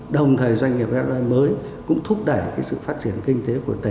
đồng thời doanh nghiệp fdi mới cũng thúc đẩy sự phát triển kinh tế của tỉnh